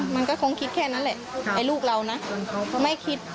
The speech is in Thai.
มันก็คงคิดแค่นั้นแหละไอ้ลูกเรานะไม่คิด